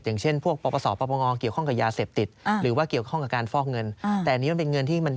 อย่างเช่นพวกป่อประสอบป่อปองอ